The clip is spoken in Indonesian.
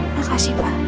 terima kasih pak